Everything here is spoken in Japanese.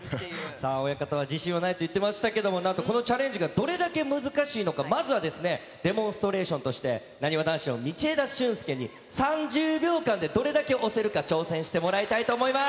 さあ、親方は自信はないと言ってましたけれども、なんとこのチャレンジがどれだけ難しいのか、まずはですね、デモンストレーションとして、なにわ男子の道枝駿佑に、３０秒間でどれだけ押せるか、挑戦してもらいたいと思います。